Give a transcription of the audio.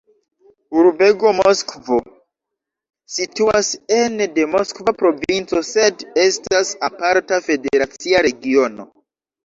Urbego Moskvo situas ene de Moskva provinco, sed estas aparta federacia regiono.